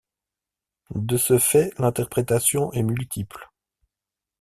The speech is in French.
De ce fait, l'interprétation est multiple.